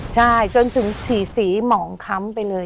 ใช่จนถึงฉี่สีหมองค้ำไปเลย